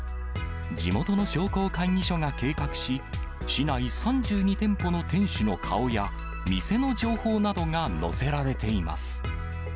地元の商工会議所が計画し、市内３２店舗の店主の顔や店の情報などが載せられています。